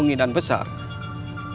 yang sudah seperti sulit